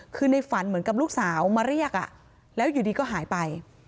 คือในฝันเหมือนกับลูกสาวมาเรียกแล้วอยู่ดีก็หายไป